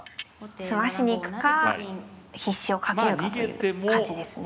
詰ましに行くか必至をかけるかという感じですね。